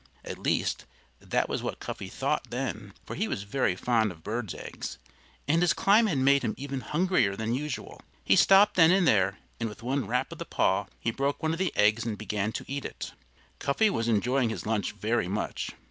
At least, that was what Cuffy thought then. For he was very fond of birds' eggs, and his climb had made him even hungrier than usual. He stopped then and there and with one rap of the paw he broke one of the eggs and began to eat it. Cuffy was enjoying his lunch very much.